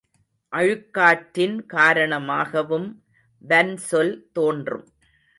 அழுக்காற்றின் காரணமாகவும் வன்சொல் தோன்றும்.